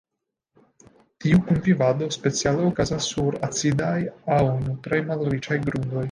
Tiu kunvivado speciale okazas sur acidaj aŭ nutraĵ-malriĉaj grundoj.